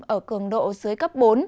ở cường độ dưới cấp bốn